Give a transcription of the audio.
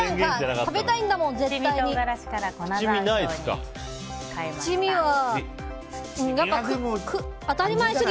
食べたいんだもん、絶対に。